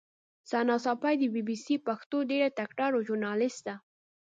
ثنا ساپۍ د بي بي سي پښتو ډېره تکړه ژورنالیسټه